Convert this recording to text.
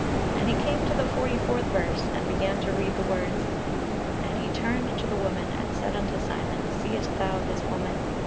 And he came to the forty fourth verse and began to read the words, "And he turned to the woman and said unto Simon, Seest thou this woman?